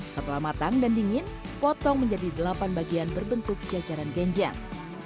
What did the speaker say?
setelah matang dan dingin potong menjadi delapan bagian berbentuk jajaran genjang